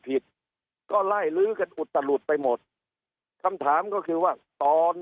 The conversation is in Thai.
ผิดก็ไล่ลื้อกันอุตลุดไปหมดคำถามก็คือว่าตอน